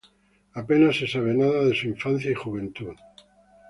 Apenas se sabe nada de su infancia y juventud.